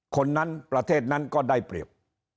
คนนั้นประเทศนั้นก็ได้เปรียบ